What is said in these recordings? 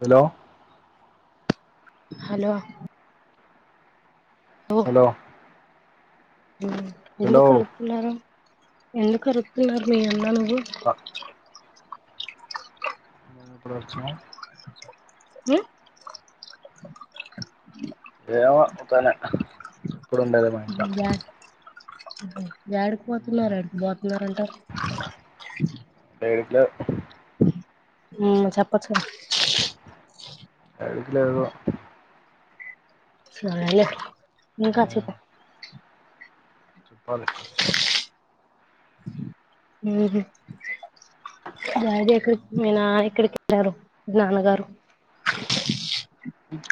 hello hello hello ఆ hello ఎందుకు అంటున్నారు ఎందుకు కరుపుతున్నారు మీరన్నాను బ ఎప్పుడు వచ్చావ్ ఉ ఏమో ఉత్తగనే ఎప్పుడు ఉండేదే మా ఇంట్లో ఇప్ప ఎడికిపోతున్నారు ఎడికిపోతున్నారంట అ హమ్ చెప్పొచ్చు కదా ఏడికి లేదు సరేలే మీకా అచ్చుపే చెప్పాలి డాడీ ఎక్కడికి మీనా ఎక్కడికి వెళ్ళారు మీ నాన్నగారు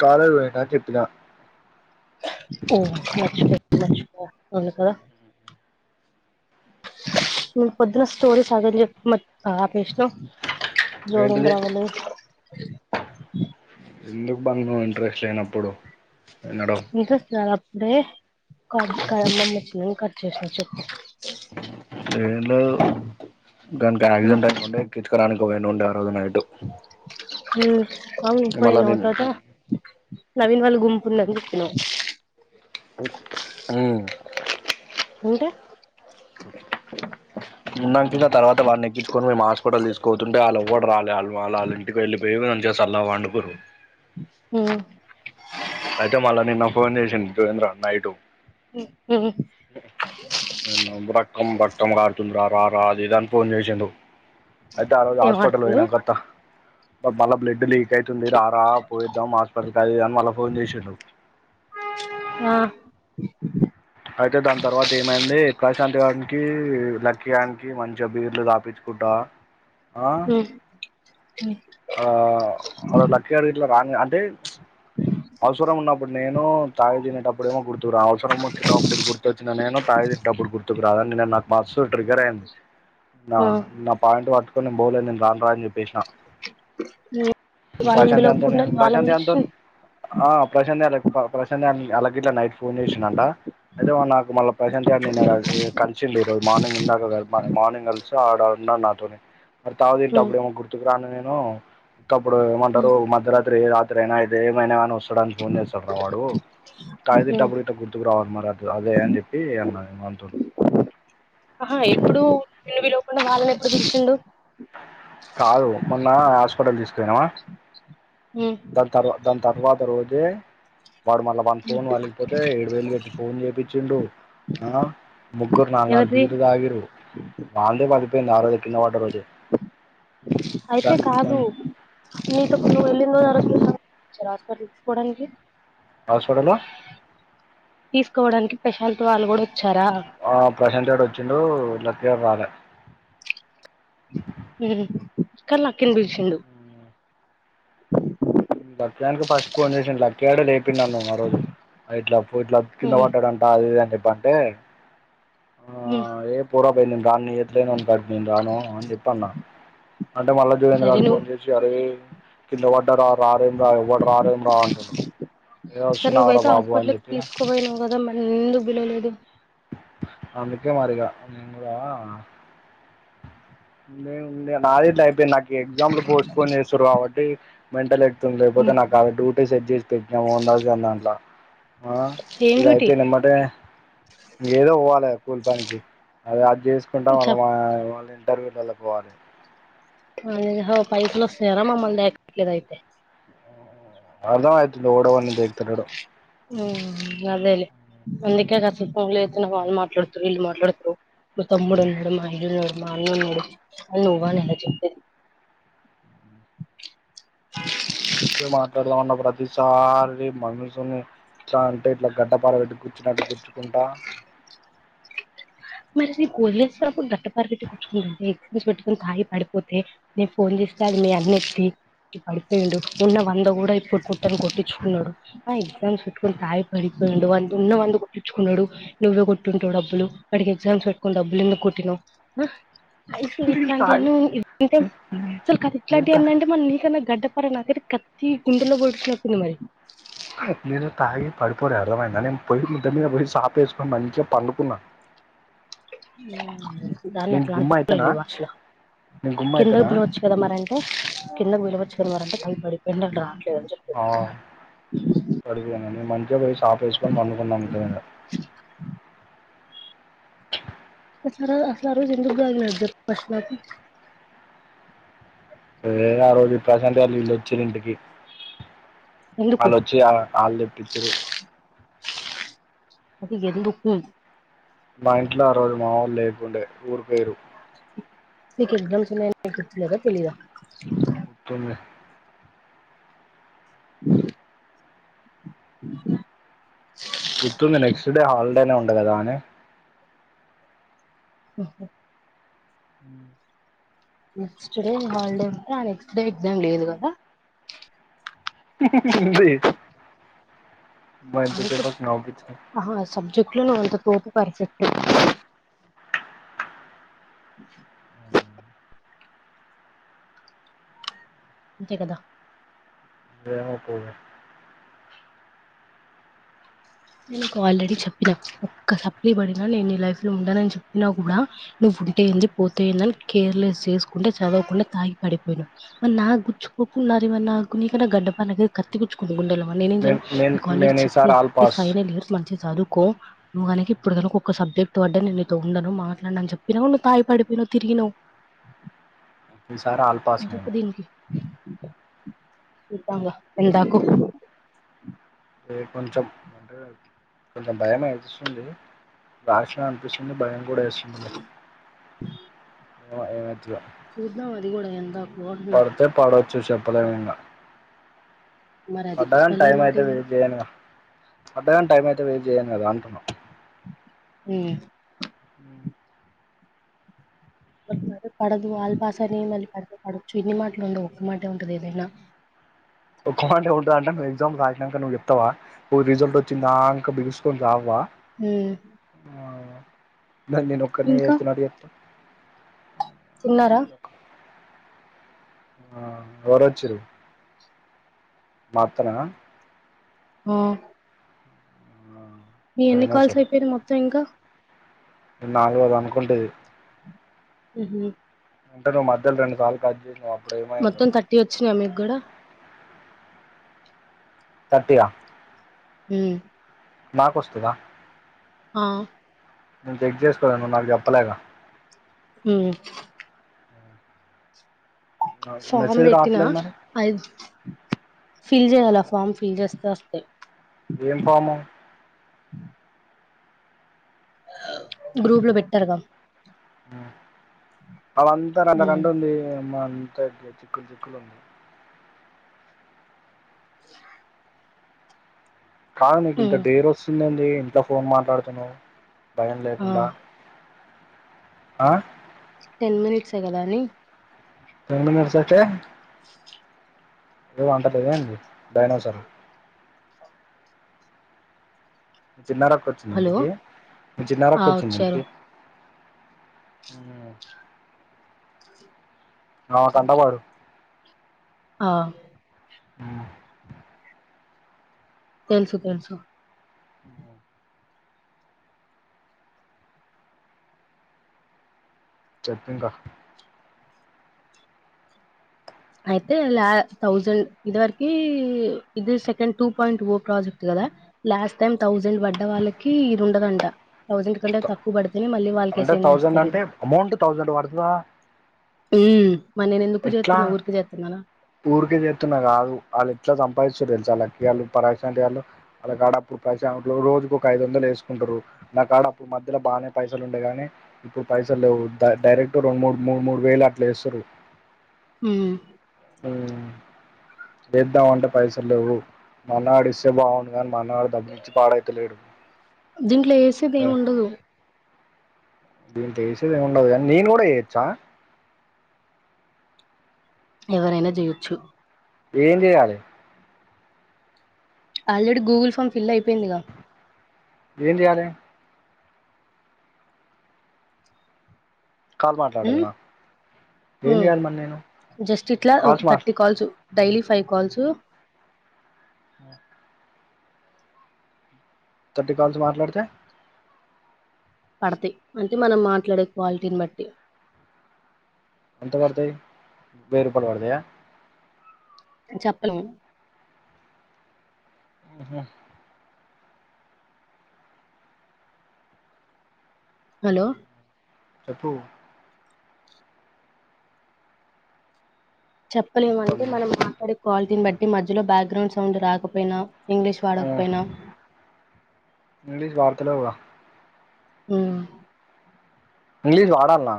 కాలర్వనా చెప్పిన ఓ ఓచ్చి మే అవును కదా నిన్న పొద్దున స్టోరీ సగం చెప్పి మద్ ఆపేసినవ్ జోగేంద్ర ఏంటిది వళు ఎందుకు బాగ్ నువు ఇంట్రెస్ట్ లేనప్పుడు వినడం ఇంట్రెస్ట్ రాలే అప్ ప్పుడే క [unintelligible] వచ్చింది అని కట్ చేసిన చెప్ ఏలో గానికి ఆక్సిడెంట్ అయి ఉంటే ఎక్కించుకరానిక్ పోగాేంట ఉండ ఆ రోజు నైట్ హు అవును మళ్ళా పోయినావ నేను తాత నవీన్ వాళ్ళు గుంపు ఉందని చెప్పనావ్ ఉమ్ ఉంటే ఉన్నాం కే తర్వాత వాళ్ళని ఎక్కించుకొని మేము హాస్పిటల్ తీసుకుపోతుంటే వాళ్ళు ఎవ్వడు రాలే ఆళ్ు వాళ్ళు ఇంటికి వెళ్ళిపోయి మంచిగా సళ్ళగా పండుకురు హు అయితే మళ్ళా నిన్న ఫోన్ చేసింది జోగేంద్ర నైట్ హ రకం రక్తం గారుతుంది రా రా రా అది ఇది అని ఫోన్ చేసండు అయితే ఆ రోజు ఏం హాస్పిటల్ ఆడుతుందో పోయినా కత బబాల బ్లడ్ లీ అయితుంది రా రా పోయిద్దాం హాస్పిటల్ అది ఇది అని మల్ల ఫోన్ చేసిండు ఆ అయితే దాని తర్వాత ఏమైంది ప్రశాంత్ గాడికి లక్కీ గానికి మంచి గా బీర్లు దాపించుకుంటా ఉమ్ ఆ లక్కీగాడు గిట్లా రాన్ అంటే అవసరం ఉన్నప్పుడు నేను తాగి తినేటప్పుడేమో గుర్తుకురాను అవసరమ వచ్చిప్పుడు గుర్తు చిన్న నేను తాగి తినేటప్పుడు గుర్తుకురా అది అంటేనే నాకు పాస్ స్ట్ ట్రిగర్ అయింది నా ఆ నా పాయింట్ పట్ అప్పుడు నేన్ పోలే రాన్ రాన్ అని చెప్పేసిన ఉమ్ వాళ్ళని ప్రశాంత్ గాని తోనే పిలవకుండా వాళ్ళని ప్రశాంత్ గాంతో పిలిచి ఆ ప్రశాంత్ గా లే ప్రశాంత్ గాడు అలాగ గిట్లా నైట్ ఫోన్ చేసిాంట అయితే నాకు మళ్ళీ ప్రశాంత్ గాడు నిన్న కలిసిండు ఈ రోజు మార్నింగ్ ఉందక మార్నింగ్ కలిసి ఆడ ఉన్నాడు నాతోని మార్ తాగి ఉమ్ తినుటప్పుడు ఏమో గుర్తుకురాను నేను నో ఇంకపుడు ఏమంటారు ఉమ్ మధ్యరాత్ర్ దే రాత్రి ఇది ఏమి అయినా కన్ వస్తుంది డానికి ఫోన్ చేస్తాడు రా వాడు తగి ఉమ్ తింటేప్పుడుైతే గుర్తుకు రావాలి మరి అ అదే అని చెప్పి అనది వంతొని ఆహా ఎప్పుడు నిన్ను పిలవకుండా వాళ్ళని ఎట్ల పిలిచిండు పడల్ంది పైనవ ఉమ్ దాంతర్వాత దాన్ తర్వాత రోజే వాడు మళ్ళా వన్ ఫోన్ వాలిగిపోతే ఏడు వేలు పెట్టి ఫోన్ చేయిచ్చిండు అ ముగ్గురు నాలుగు నాలుగు ఎవరిది బీరుదగిరు వల్దె పాడ్ పోయింది ఆ రోజే కింద పడ్డ రోజు అయితే కాదు నీతో నువ్వు వెళ్ళిన రోజు ఆ చలా చర హాస్పిటల్ కి తీసుకుపోవడానికి హాస్పిటల్లో తీసుకోవడానికి ప్రశాంత వాల్ కూడా వచ్ ఆ ప్రశాంత్ గడు వచ్చిండు లక్కీ గాడు రాలే ఉమ్ కానీ లక్కీని పిలుచుండు లక్కీ దనికి ఫస్ట్ ఫోన్ చేసిన్డు లక్కీ గాడే లేపిండు నన్ను ఆ రోజు ఇట్లా ఇట్లా కింద ఉమ్ పడ్డాడంట అది ఇది అని చోప్ బంటే ఉమ్మ్ ఎ గని లేస్తంట్ నేను రాను అని చెప్పన్న అంటే మళ్ళా దేవేంద్ర సరే గడు నువ్వు ఫోన్ చేసి అరే కింద పడ్డారా రార్ ఏమి రా ఎవ్వరు రార్ ఏం రా ఏ సర్ వస్తున్నావురా నువ్వుయతే బాబు అని హాస్పిటల్ చెప్పి తీసుకో పోయినవ్ కదా మళ్లీ నిన్ను ఎందుకు పిలవలేదు అ అందుకే మారిగ నేను కూడా నిన్ ఇంకా అదే గిట్ల అయిపోయింది నాక్ ఎగ్జామ్లు పోస్ట్ పోన్ చేస్తుర్రు కాబట్టి మెంటల్ ఏక్ లేకపోతే నాకు అ డ్యూటీ సెట్ చేసి పెట్టనా మోహన్ దాస్ గాని దాంట్ల ఆ ఏం ఇది డ్యూటీ అయిపోయిన ఎంబటే ఏదో పోవాలే కూలి పనికి అదే ఆ చేసుకుంటాం వాళ్ళ చెప్ మా వాళ్ళ ఇంటర్వ్యూ లళ్ళకి పోవాలి ఆహా పైసలు వస్తాయానా మమ్మల్ని దేకట్లేదు అయితే అర్ధమయ్త్ ఎవడు ఎవణ్ని దేక్తలేడు ఊ అదే లే అందుకే గా ఫోన్ లేకున్న వాళ్ళు మాట్లాడుతుర్రు వీళ్ళు మాట్లాడుతుర్రు మా తమ్ముడు ఉన్నాడు మా అయ్యున్నడు మా అన్న ఉన్నడు నువ్వు నేనా చెప్పేది నీతో మాట్లాడదామన్నా ప్రత్ తిసారి మనసుని ఎట్లా అంటే ఇట్ల గడ్డపార పెట్టి గుచ్చినట్టు గుచ్చుకుంటా మరి నీకొదిలేస్తానప్పుడు గడ్డపార పెట్టి కుచ్చుకుంటుంటే నువ్ తాగి పడిపోతే నేను ఫోన్ చేస్తే ఆడ మీ అన్నెత్తి పడిపోయిండు ఉన్న వంద కూడా ప్పుడు కొట్టని కొట్టించుకున్నాడు ఆ ఎక్సామ్స్ పెట్టుకొని తాగి పడిపోయిండు వానికి ఉన్న వంద కొట్టించుకున్నడు నువ్వే కొట్టి ఉంటావు డబ్బులు ఆడికి ఎగ్జామ్స్ పెట్టుకొని డబ్బులు ఎందుకు కొట్టినవ్ అయితే ఇట్లాంటియన్ని అంటే అసలు కాదు నేను ఇట్లాంటియన్ని అంటే మల్ల నీకన్నా గంట నాకైతే కత్తి గుండెలో పోడిషినట్టు ఉంది మరి నేను తాగి పడిపోలే అర్థమైందా నేన్ పోయి మిద్దె మీద పోయి సాప్ పేసుకొని మంచిగా పండుకున్న దాన్ని అట్లా గుమ్మ అంటారులే అయితేనా మీ భాషలో నేను గుమ్మ కిందకి అయితేనా పిల్వచ్చు కదా మరి అంటే కిందకి పిల్వచ్చు పిలవరంటె తాగి పడిపోయిండంట రా ఆ పడిపోయిన నేను మంచిగా పోయి సాప్ వేసుకొని పడుకున్నా మిద్దె మీద అసలు అసలు ఆరోజు ఎందుకు తాగినవ్ చెప్పు ఫస్ట్ నాకు ఏ ఆరోజు ఈ ప్రశాంత్గాళ్లు ఈల్లు వచ్చిర్రు ఇంటికి ఎందుకు వాళ్ళొచ్చి ఆ ఆళ్ళు తెప్పిచ్చిరు అది ఎందుకు మా ఇంట్లో ఆరోజు మా వాళ్ళు లేకుండే ఊరికి పోయిర్రు నీకు ఎగ్జామ్స్ ఉన్నాయని నీకు గుర్తులేదా తెలీద గుర్తుంది బ గుర్తుంది నెక్స్ట్ డే హాల్ డేనే ఉండే కదా అని ఊహు అ నెక్స్ట్ డే హాల్డే ఉంటే ఆ నెక్స్ట్ డే ఎగ్జామ్ లేదు కదా ఉంది అబ్బా అంత ఎంతసేపటికి నవ్వుపిచ్చినవ్ అహ సబ్జెక్ట్ లోనే అంత తోపు పర్ఫెక్ట్ ఇంతే కదా అే పో [unintelligible] [inaudible] నేను నీకాల్రెడీ చెప్పినా ఒక్క సప్లి పడిన నేను నీ లైఫ్ లో ఉండడానని చెప్పినా కూడా నువ్వు ఉంటేఏంది పోతేందని కేర్లెస్ చేసుకుంటే చదవకుండా తాగి పడిపోయినావు మరి నాకు గుచ్చుకోకుండా ఏమ నాకు ఏమన్నా గు నీకన్నా గడ్డపాన కత్తి గుచ్చుకుంది గుండెలో ఆ నేనేమ్ చేయను నేను నేను నీకాల్రెడీ నేను ఈసారి చెప్తున్నా ఆల్ ఈ పాస్ ఫైనల్ ఇయర్స్ మంచిగ చదు నువ్వు కనుక ఇప్పుడు కనుక ఒక్క సబ్జెక్ట్ పడ్డ నేన్నీతో ఉండను మాట్లాడనని చెప్పినా కూడా నువ్వు తాగి పడిపోయినావ్ తిరిగినవ్ ఈ సారి ఆల్పాస్ నేను చూద్దామ్లే ఎంతాకో అ కొంచెం అంటే కొంచెం భయం అనిపిస్తుంది రాషినా అనిపిస్తుంది భయం కూడా ఏస్తుంది ఏమజ [unintelligible] [inaudible] చూద్దాం అది కూడా ఎందాకో పడితే పడ చ్చూ చెప్పలేమింగ మరి అది పడ్డా గాని మళ్ళీ మాట టైమైతే వెయిట్ ఏంది చేయనిగ పడ్డా గాని టైమైతే వెయిట్ చేయ్యన్ కదా అంటున్నా ఉమ్ ఉమ్ పడదు వాళ్ళ భాషనే మళ్ళీ పడితే పడొచ్చు ఇన్ని మాటలు ఉండవు ఒక్క మాటే ఉంటదేదైనా ఒక్క మాటే ఉంటుదంటే నువ్వు ఎగ్జామ్ రాసినక నువ్వుచెప్తావా నువ్ రిజల్ట్ వచ్చిందాక బిగుసుకొని రావవా ఉమ్ నేనొక్కన్నే ఇంకా చేస్తున్నట్టు చెప్తావ్ తిన్నారా ఆ ఎవరొచ్చిర్రు మాత్తనా ఆ మీ ఎన్ని కాల్స్ అయిపోయినా మొత్తం ఇంకా నాలుగోదనుకుంటా ఇది ఉహు అంటే నువ్ మధ్యలో రెండు సార్లు కట్ చేసినావ్ మొత్తం థర్టీ వచ్చినాయా మీకు కూడా తట్టి యా ఉమ్ మాకు వస్తుదా ఆ నేను చెక్ చేసుకోలే నువ్వు నాకు చెప్పలేగా ఉమ్ ఫామ్ మెసేజ్ పెట్టినా రావట్లేదు మరి ఐదు ఫిల్ చేయాలా ఫార్మ ఫిల్ చేస్తే వస్తాయ్ ఏం ఫాము గ్రూప్ లో పెట్టారుగా ఆ అవంతా నంత ఉమ్ కంట ఉంది అదైతే చిక్లు చిక్లు ఉంది కానీ నీకు ఇంత ఉమ్ డేర్ వస్తుందండి ఇట్ల ఫోన్ మాట్లాడుతున్నావ్ భయం ఆ లేకుండా ఆ టెన్ మినిట్సే కదా అని టెన్ మినిట్స్ అయితే ఏం అంట లేదా ఏంటి డైనోసార్ చిన్నరక్క వచ్చింది హలో ఇంటికి మీ చిన్నరక్క ఆ వచ్చింది వచ్చారు ఇంటికి ఉమ్ ఆమె కంటపడు ఆ ఉమ్ తెల్సు తెల్సు ఉమ్ చెప్పింక అయితే లా థౌజండ్ ఇది వరకి ఇది సెకండ్ టూ పాయింట్ ఓ ప్రాజెక్ట్ కదా లాస్ట్ టైమ్ థౌజండ్ పడ్డ వాళ్ళకి ఇది ఉండదంట తౌసండ్ కంటే తక్కువ పడుతేనే మళ్ళీ వాళ్ళకి అంటే అసైన్ థౌజండ్ చేస్తారు అంటే ఇది అమౌంట్ థౌజండ్ పడుతుందా ఉమ్ మ ఎందుకు ఎట్లా చేతున్నా ఊరికే చేస్తున్నానా ఊరికే చేస్తున్నా కాదు ఆళ్ళు ఎట్లా సంపాదిస్తుర్రు తెలుసా లక్కీ గాళ్ళు పరా వాళ్ళ కాడ అప్పుడు పైసలు రోజుకు ఒక ఐదు వందలు వేసుకుంటారు నా కాడ అప్పుడు మధ్యలో బాగానే పైసలు ఉండేగాని ఇప్పుడు పైసలు లేవు డైరెక్ట్ రెండు మూడు మూడు మూడు వేలు అట్లా వేస్తారు ఉమ్ ఉమ్ వేద్దామంటే పైసలు లేవు మా అన్న గాడు ఇస్తే బాగుంది కానీ మనడు దగనించి పాడ అతేలే ఎడు దీంట్లో వేసేది ఏమి ఉండదు దేంట్లో యేసేది ఏమి ఉండదు కా నేను కూడా చేయచ్చా ఎవరైనా చేయొచ్చు ఏం చేయాలి ఆల్రెడీ గూగుల్ ఫామ్ ఫిల్ అయిపోయిందిగా ఏంచేయాలి కాల్ ఉమ్ మాట్లాడాలనా ఏం ఉమ్ చేయాలి మరి నేను జస్ట్ ఇట్లా ఒక కాల్స్ మా thirty calls daily five calls ఆ థర్టీ కాల్స్ మాట్లాడితే పడతాయి అంటే మనం మాట్లాడే క్వాలిటీని బట్టి ఎంత పడతాయి వేయి రూపాయలు పడతాయ చెప్పలేము ఆహా హలో చెప్పు చెప్పలేము అంటే కన్ను మనం కన్ను మాట్లాడే కన్ను క్వాలిటీని బట్టి మధ్యలో బ్యాక్గ్రౌండ్ సౌండ్ రాకపోయినా ఇంగ్లీష్ ఆ వాడకపోయినా ఇంగ్లీష్ వాడతాలేవు గ ఉమ్ ఇంగ్లీష్ వాడాల్న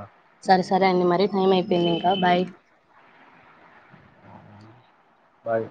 సరే సరే అండి మరి టైం అయిపోయింది ఇంక బాయ్ బాయ్